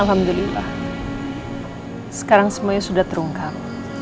alhamdulillah sekarang semuanya sudah terungkap